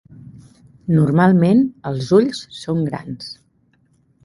Normalment, els ulls són grans.